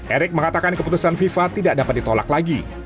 erick mengatakan keputusan fifa tidak dapat ditolak lagi